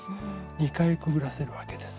２回くぐらせるわけです。